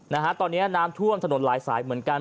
นะฮะตอนนี้น้ำท่วมถนนหลายสายเหมือนกัน